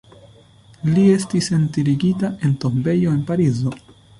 Li estis enterigita en tombejo en Parizo.